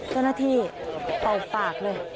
เจ้าหน้าที่เป่าปากเลย